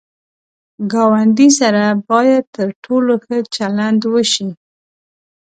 ګاونډي سره باید تر ټولو ښه چلند وشي